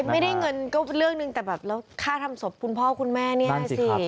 ไม่ได้เงินก็เรื่องหนึ่งแต่แบบแล้วค่าทำศพคุณพ่อคุณแม่เนี่ยสิ